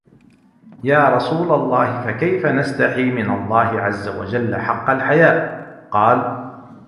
يَا رَسُولُ اللَّهِ فَكَيْفَ نَسْتَحِي مِنْ اللَّهِ عَزَّ وَجَلَّ حَقَّ الْحَيَاءِ ؟ قَالَ